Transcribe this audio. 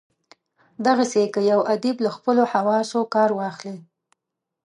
دغسي که یو ادیب له خپلو حواسو کار واخلي.